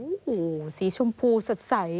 โอ้โหสีชมพูสดใส